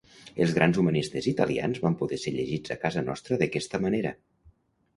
Els grans humanistes italians van poder ser llegits a casa nostra d’aquesta manera.